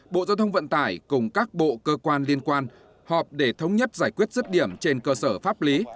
bộ giao thông vận tải cùng các bộ cơ quan liên quan họp để thống nhất giải quyết rứt điểm trên cơ sở pháp lý